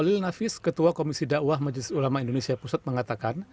pak nafis ketua komisi da'wah majelis ulama indonesia pusat mengatakan